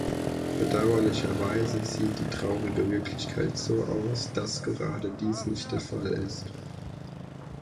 Bedauerlicherweise sieht die traurige Wirklichkeit so aus, dass gerade dies nicht der Fall ist.